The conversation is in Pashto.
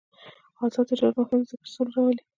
آزاد تجارت مهم دی ځکه چې سوله راولي.